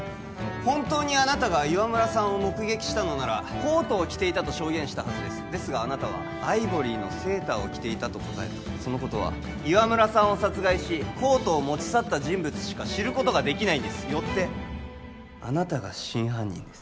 本当にあなたが岩村さんを目撃したのならコートを着ていたと証言したはずですですがあなたはアイボリーのセーターを着ていたと答えたそのことは岩村さんを殺害しコートを持ち去った人物しか知ることができないんですよってあなたが真犯人です